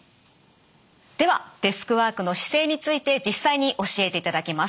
ではデスクワークの姿勢について実際に教えていただきます。